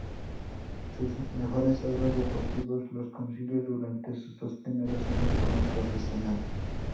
Sus mejores logros deportivos los consiguió durante sus dos primeros años como profesional.